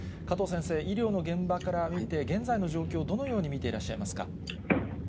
加藤先生、医療の現場から見て、現在の状況、どのように見ていらっしゃいますか？